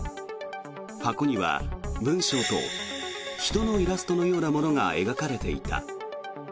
箱には文章と人のイラストのようなものが描かれていた。